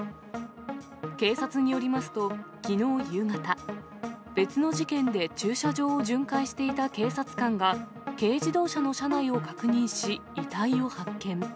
警察によりますと、きのう夕方、別の事件で駐車場を巡回していた警察官が、軽自動車の車内を確認し、遺体を発見。